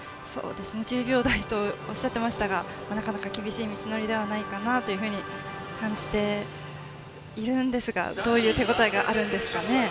１０秒台とおっしゃっていましたがなかなか厳しい道のりではないかなと感じているんですがどういう手応えがあるんですかね。